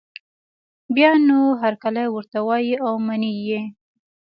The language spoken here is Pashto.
بیا نو هرکلی ورته وايي او مني یې